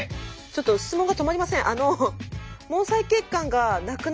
ちょっと質問が止まりません。